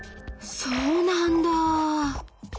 そうなんだ！